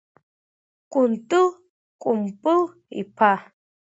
Кәынтыл Кәымпыл-иԥа.